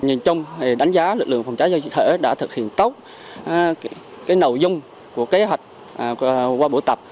nhìn chung đánh giá lực lượng phòng cháy cơ sở đã thực hiện tốt nầu dung của kế hoạch qua buổi tập